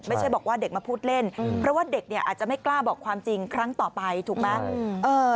ไม่ใช่บอกว่าเด็กมาพูดเล่นเพราะว่าเด็กเนี่ยอาจจะไม่กล้าบอกความจริงครั้งต่อไปถูกไหม